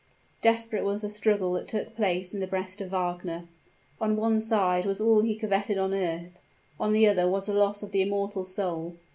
Desperate was the struggle that took place in the breast of Wagner. On one side was all he coveted on earth; on the other was the loss of the immortal soul.